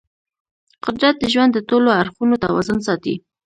قدرت د ژوند د ټولو اړخونو توازن ساتي.